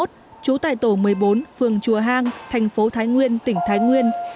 trú tại tổ một mươi bốn phường chùa hang thành phố thái nguyên tỉnh thái nguyên